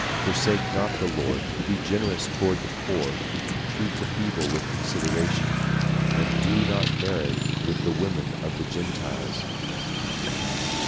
Forsake not the Lord, be generous toward the poor, treat the feeble with consideration, and do not marry with the women of the Gentiles."